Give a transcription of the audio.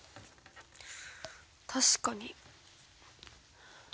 確かに。